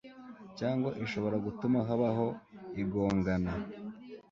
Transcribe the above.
cyangwa ishobora gutuma habaho igongana